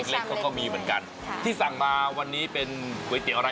ก็ส่วนมากจะมา๕๗ท่านนะคะ